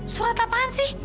surat apaan sih